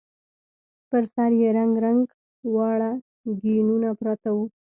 پر سر يې رنګ رنګ واړه ګېنونه پراته وو.